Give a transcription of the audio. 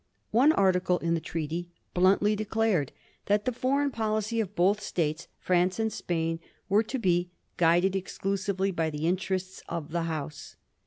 One article in the treaty bluntly declared that the foreign policy of both States, France and Spain, was to be guided exclusively by the interests of the House."